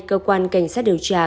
cơ quan cảnh sát điều tra